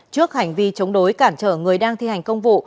trước hành vi chống đối cản trở người đang thi hành công vụ